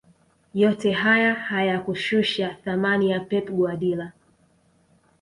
yote haya hayakushusha thamani ya pep guardiola